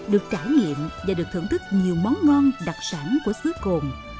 được trải nghiệm và được thưởng thức nhiều món ngon đặc sản của xứ cồn